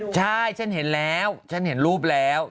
ใช่ฉันเห็นแล้วฉันเห็นรูปแล้ว